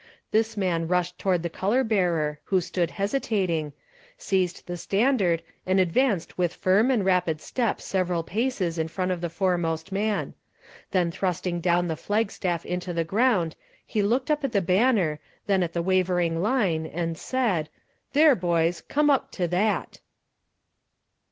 This man rushed toward the color bearer, who stood hesitating, seized the standard and advanced with firm and rapid step several paces in front of the foremost man; then thrusting down the flag staff into the ground he looked up at the banner, then at the wavering line, and said "There, boys, come up to that!"